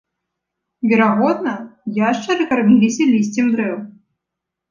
Верагодна, яшчары карміліся лісцем дрэў.